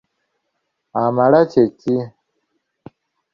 Amala kye ki?